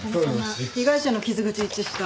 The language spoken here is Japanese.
被害者の傷口一致した。